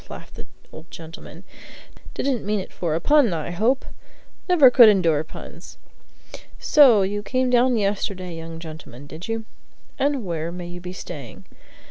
laughed the old gentleman. "Didn't mean it for a pun, I hope? Never could endure puns! So you came down yesterday, young gentleman, did you? And where may you be staying?"